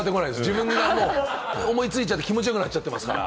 自分が思いついちゃって、気持ちよくなっちゃってますから。